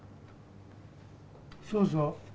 そうそう。